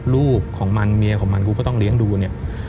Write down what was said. ลูกของมันเมียของมันกูก็ต้องเลี้ยงดูเนี่ย